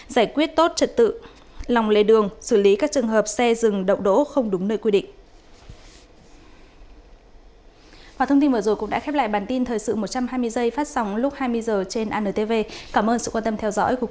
giải quyết tốt trật tự lòng lề đường xử lý các trường hợp xe dừng đậu đỗ không đúng nơi quy định